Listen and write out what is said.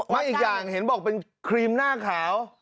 ไม่อีกอย่างเห็นมันบอกว่าเป็นครีมหน้าขาว